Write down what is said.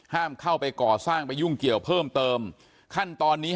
เข้าไปก่อสร้างไปยุ่งเกี่ยวเพิ่มเติมขั้นตอนนี้